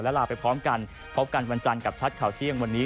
ลาไปพร้อมกันพบกันวันจันทร์กับชัดข่าวเที่ยงวันนี้